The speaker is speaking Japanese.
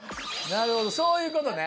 なるほどそういうことね。